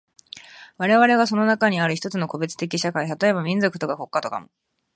我々がその中にある一つの個別的社会、例えば民族とか国家とかも、